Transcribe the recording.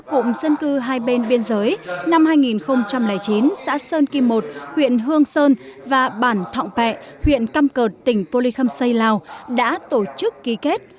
cụm dân cư hai bên biên giới năm hai nghìn chín xã sơn kim một huyện hương sơn và bản thọng pẹ huyện căm cợt tỉnh polikham say lào đã tổ chức ký kết